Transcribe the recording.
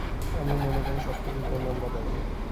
আমি মনে করি, সবকিছুর জন্য আমরা দায়ী।